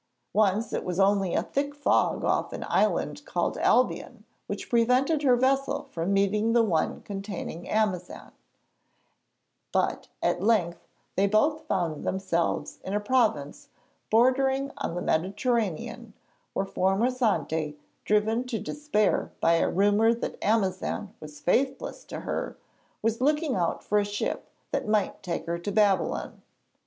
Once it was only a thick fog off an island called Albion which prevented her vessel from meeting the one containing Amazan, but at length they both found themselves in a province bordering on the Mediterranean, where Formosante, driven to despair by a rumour that Amazan was faithless to her, was looking out for a ship that might take her to Babylon.